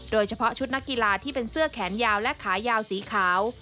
โดยเฉพาะชุดนักกีฬาที่เป็นเสื้อแขนยาวและขายาวสีขาว